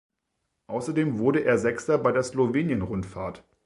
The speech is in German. Außerdem wurde er Sechster bei der Slowenien-Rundfahrt.